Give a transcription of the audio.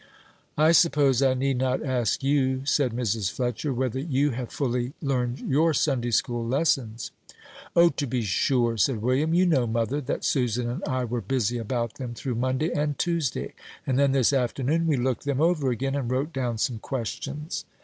"I suppose I need not ask you," said Mrs. Fletcher, "whether you have fully learned your Sunday school lessons." "O, to be sure," said William. "You know, mother, that Susan and I were busy about them through Monday and Tuesday, and then this afternoon we looked them over again, and wrote down some questions."